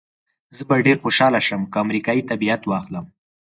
زه به ډېره خوشحاله شم که امریکایي تابعیت واخلم.